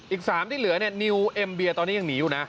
อีก๓ที่เหลือเนี่ยนิวเอ็มเบียตอนนี้ยังหนีอยู่นะ